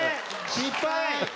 失敗！